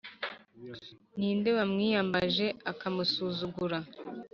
ni nde wamwiyambaje, akamusuzugura?